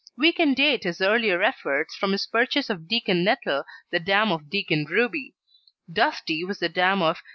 We can date his earlier efforts from his purchase of Deacon Nettle, the dam of Deacon Ruby; Dusty was the dam of Ch.